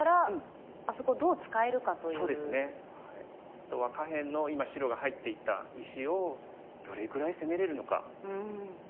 あとは下辺の今白が入っていった石をどれぐらい攻めれるのかですかね。